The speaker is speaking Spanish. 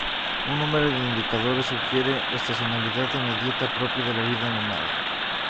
Un número de indicadores sugiere estacionalidad en la dieta, propio de la vida nómada.